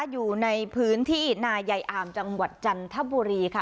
อยู่ในพื้นที่นายายอามจังหวัดจันทบุรีค่ะ